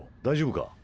大丈夫か？